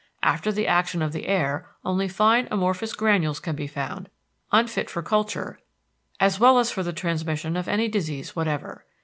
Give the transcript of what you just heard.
After the action of the air, only fine amorphous granules can be found, unfit for culture as well as for the transmission of any disease whatever.